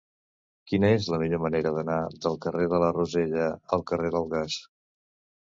Quina és la millor manera d'anar del carrer de la Rosella al carrer del Gas?